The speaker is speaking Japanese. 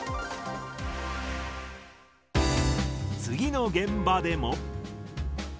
次の現場でも。